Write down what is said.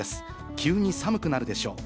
急に寒くなるでしょう。